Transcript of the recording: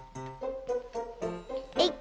えいっ！